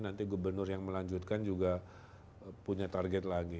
nanti gubernur yang melanjutkan juga punya target lagi